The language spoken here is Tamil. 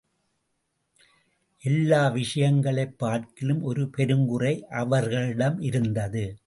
எல்லா விஷயங்களைப் பார்க்கிலும் ஒரு பெருங்குறை அவர்களிடமிருந்தது.